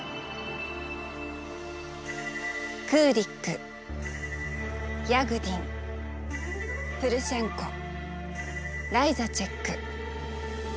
クーリックヤグディンプルシェンコライサチェック。